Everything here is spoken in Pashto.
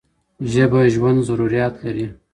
ژبه ژوند ضروريات لري.